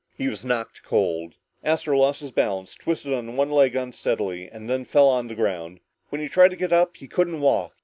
He was knocked cold. Astro lost his balance, twisted on one leg unsteadily, and then fell to the ground. When he tried to get up, he couldn't walk.